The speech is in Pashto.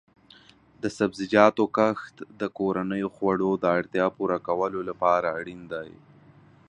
د سبزیجاتو کښت د کورنیو خوړو د اړتیا پوره کولو لپاره اړین دی.